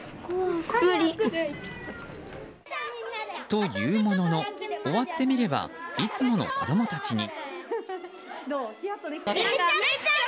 というものの終わってみればいつもの子供たちに。